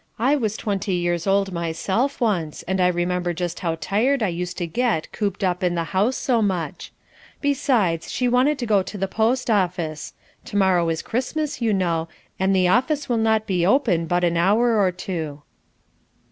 I was only twenty years old myself, once, and I remember just how tired I used to get cooped up in the house so much; besides, she wanted to go to the post office. To morrow is Christmas, you know, and the office will not be open but an hour or two."